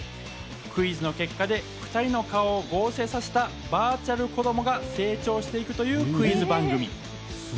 クイズの結果で２人の顔を合成させたバーチャル子供が成長していくというクイズ番組。